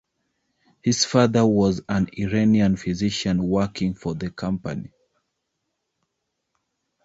His father was an Iranian physician working for the company.